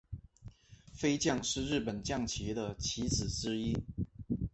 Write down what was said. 飞将是日本将棋的棋子之一。